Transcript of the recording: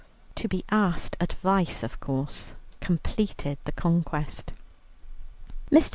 To be asked advice, of course, completed the conquest. Mr.